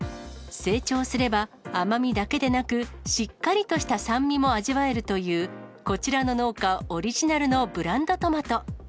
生長すれば甘みだけでなく、しっかりとした酸味も味わえるという、こちらの農家オリジナルのブランドトマト。